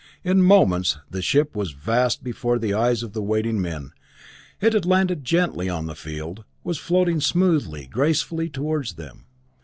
In moments the ship was vast before the eyes of the waiting men; it had landed gently on the field, was floating smoothly, gracefully toward them.